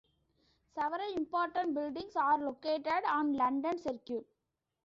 Several important buildings are located on London Circuit.